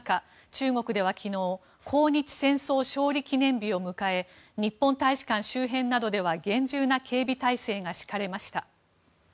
中国では昨日抗日戦争勝利記念日を迎え日本大使館周辺などでは厳重な警備態勢が敷かれました。